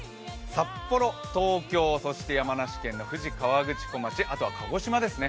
札幌、東京そして山梨県の富士河口湖町、あとは鹿児島ですね。